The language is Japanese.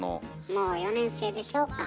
「もう４年生でしょ」か。